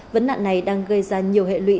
vấn nạn này đang gây ra nhiều hệ lụy